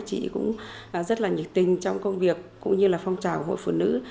chị cũng rất là nhịp tình trong công việc cũng như là phong trào hội phụ nữ